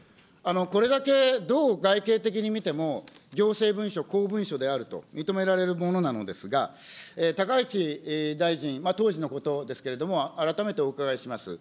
これだけどう外形的に見ても、行政文書、公文書であると認められるものなのですが、高市大臣、当時のことですけれども、改めてお伺いします。